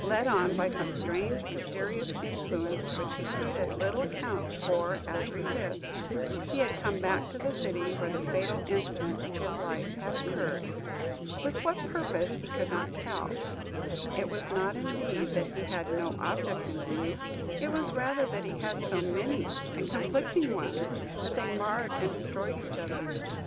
Led on by some strange, mysterious influence, which he could as little account for as resist, he had come back to the city where the fatal incident of his life had occurred. With what purpose, he could not tell. It was not, indeed, that he had no object in view. It was rather that he had so many and conflicting ones that they marred and destroyed each other.